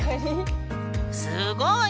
すごい。